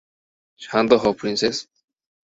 শান্ত হও প্রিন্সেস!